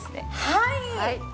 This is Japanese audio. はい！